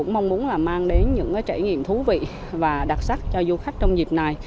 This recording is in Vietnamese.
mong muốn là mang đến những trải nghiệm thú vị và đặc sắc cho du khách trong dịp này